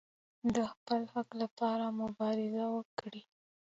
د خپل حق لپاره مبارزه وکړئ